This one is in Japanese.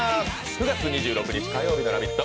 ９月２６日火曜日の「ラヴィット！」